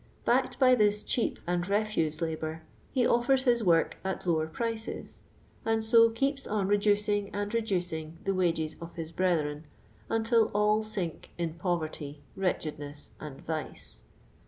Backed by this cheap and refuse labour, he offers his work at lower prices, and so keeps on reducing and reducing the wages of his brethren, until all sink in poverty, wretchedness, and vice.